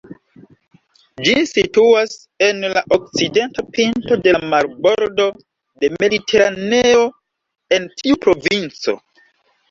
Ĝi situas en la okcidenta pinto de la marbordo de Mediteraneo en tiu provinco.